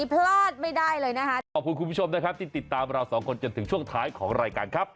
ขอบคุณคุณผู้ชมช่องนะครับที่ติดตามของเราสองคนจนถึงช่วงท้ายของรายการครับ